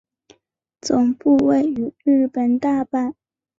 总部位于日本大阪。